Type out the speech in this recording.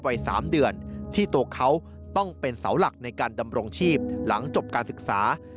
วัย๓เดือนที่ตัวเขาต้องเป็นเสาหลักในการดำรงชีพหลังจบการศึกษา